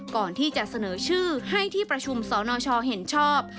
ก่อนที่จะเสนอชื่อให้ที่ประชุมสนชเห็นชอบ